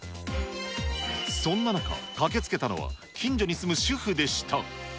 そんな中、駆けつけたのは、近所に住む主婦でした。